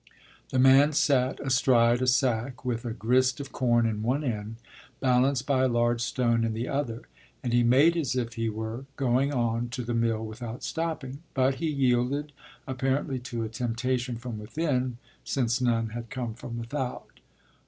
The man sat astride a sack with a grist of corn in one end balanced by a large stone in the other, and he made as if he were going on to the mill without stopping; but he yielded apparently to a temptation from within, since none had come from without.